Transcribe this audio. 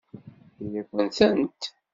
Tefka-yakent-tent?